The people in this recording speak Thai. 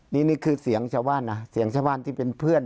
นี่นี่คือเสียงชาวบ้านนะเสียงชาวบ้านที่เป็นเพื่อน